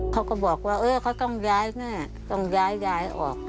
เขาก็บอกว่าเฮ้ยเขาต้องยายแม่ต้องยายออก